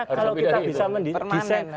kalau kita bisa mendesain